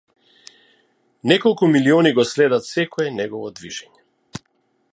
Неколку милиони го следат секое негово движење.